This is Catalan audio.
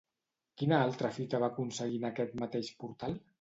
Quina altra fita va aconseguir en aquest mateix portal?